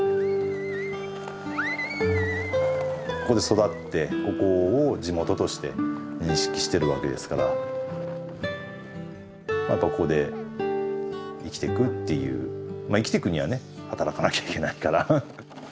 ここで育ってここを地元として認識してるわけですからやっぱここで生きていくっていうまあ生きていくにはね働かなきゃいけないから。